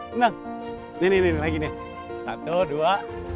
tenang nih nih lagi nih satu dua